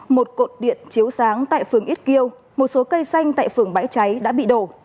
một cột điện chiếu sáng tại phường ít kiêu một số cây xanh tại phường bãi cháy đã bị đổ